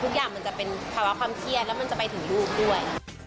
ทุกอย่างมันจะเป็นภาวะความเครียดแล้วมันจะไปถึงลูกด้วย